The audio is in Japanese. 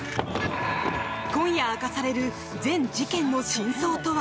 今夜明かされる全事件の真相とは？